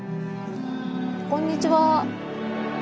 こんにちは。